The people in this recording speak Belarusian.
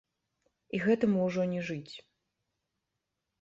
І гэтаму ўжо не жыць.